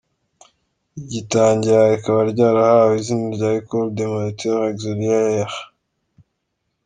Rigitangira rikaba ryarahawe izina rya Ecole des Moniteurs Auxiliares.